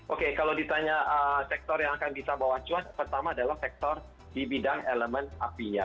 oke kalau ditanya sektor yang akan bisa bawa cuan pertama adalah sektor di bidang elemen apinya